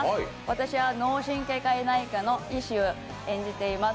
私は脳神経内科の医師を演じています。